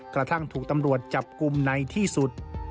กระทั่งถูกตำรวจจับกลุ่มในที่สุด